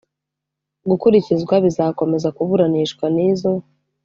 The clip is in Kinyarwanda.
gukurikizwa bizakomeza kuburanishwa n izo